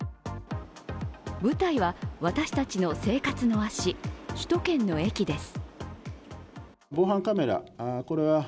舞台は私たちの生活の足、首都圏の駅です。